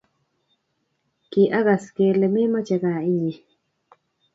Kiakas kelee memoche gaa inye